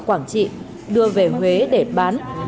quảng trị đưa về huế để bán